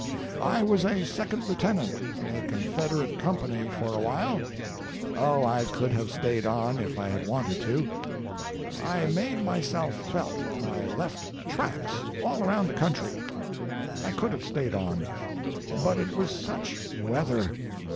I was a second lieutenant in a Confederate company for a while—oh, I could have stayed on if I had wanted to. I made myself felt, I left tracks all around the country. I could have stayed on, but it was such weather.